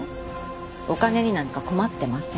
お金になんか困ってません。